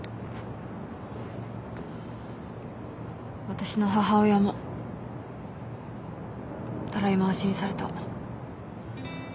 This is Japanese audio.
私の母親もたらい回しにされた。